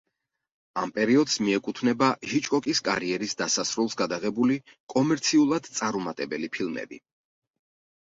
ამ პერიოდს მიეკუთვნება ჰიჩკოკის კარიერის დასასრულს გადაღებული, კომერციულად წარუმატებელი ფილმები.